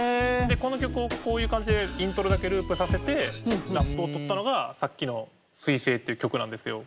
この曲をこういう感じでイントロだけループさせてラップを録ったのがさっきの「水星」っていう曲なんですよ。